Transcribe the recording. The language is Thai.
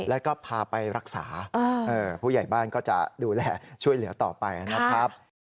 แล้วก็พาไปรักษาผู้ใหญ่บ้านก็จะดูแลช่วยเหลือต่อไปนะครับ